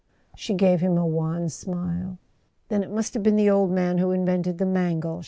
She gave him a wan smile. "Then it must have been the old man who invented the Mangle!"